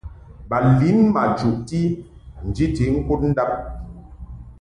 Ba lin ma chuʼti njiti ŋkud ndab.